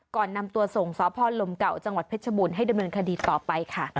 ก่อนนำตัวส่งสพลมเก่าจังหวัดเพชรบูรณ์ให้ดำเนินคดีต่อไปค่ะ